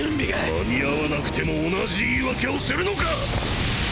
間に合わなくても同じ言い訳をするのか！